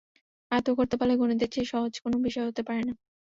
আয়ত্ত করতে পারলে গণিতের চেয়ে সহজ কোনো বিষয় হতে পারে না।